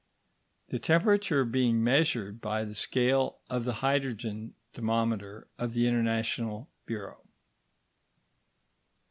the temperature being measured by the scale of the hydrogen thermometer of the International Bureau.